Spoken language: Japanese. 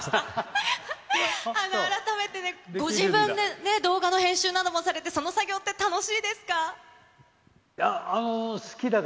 改めて、ご自分で動画の編集などもされて、その作業って楽しいですか？